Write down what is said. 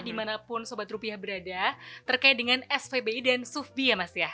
dimanapun sobat rupiah berada terkait dengan spbi dan sufbi ya mas ya